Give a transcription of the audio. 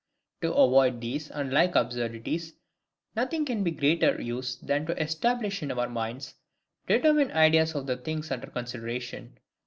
To avoid these and the like absurdities, nothing can be of greater use than to establish in our minds determined ideas of the things under consideration.